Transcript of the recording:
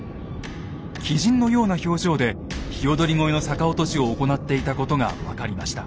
鬼神のような表情で鵯越の逆落としを行っていたことが分かりました。